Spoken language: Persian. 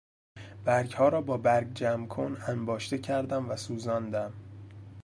برگها را با برگ جمع کن انباشته کردم و سوزاندم.